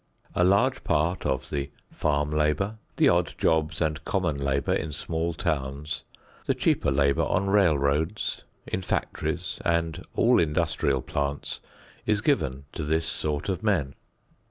A large part of the farm labor, the odd jobs and common labor in small towns, the cheaper labor on railroads, in factories and all industrial plants is given to this sort of men.